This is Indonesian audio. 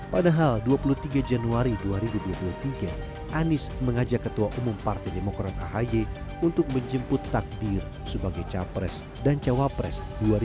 padahal dua puluh tiga januari dua ribu dua puluh tiga anies mengajak ketua umum partai demokrat ahy untuk menjemput takdir sebagai capres dan cawapres dua ribu dua puluh empat